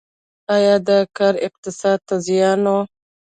آیا دا کار اقتصاد ته زیان و؟